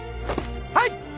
はい！